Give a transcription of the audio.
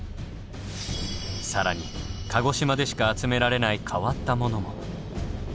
更に鹿児島でしか集められない変わったものも。